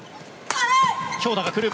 強打が来る。